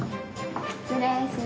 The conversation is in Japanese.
失礼します。